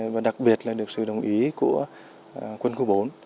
và đặc biệt là được sự đồng ý của quân khu bốn